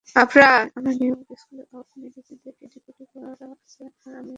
আমার New York school of medicine থেকে DPT করা আছে আর আমি একজন চিরোপ্রক্টর।